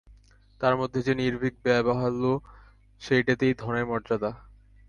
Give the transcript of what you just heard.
তার মধ্যে যে নির্ভীক ব্যয়বাহুল্য, সেইটেতেই ধনের মর্যাদা।